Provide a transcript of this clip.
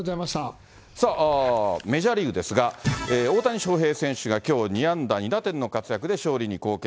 さあ、メジャーリーグですが、大谷翔平選手がきょう、２安打２打点の活躍で勝利に貢献。